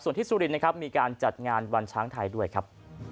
ส่วนที่สุรินนะครับมีการจัดงานวันช้างไทยด้วยครับ